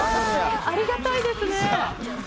ありがたいですね。